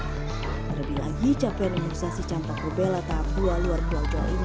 terlebih lagi capaian imunisasi campak rubella tahap dua luar pulau jawa ini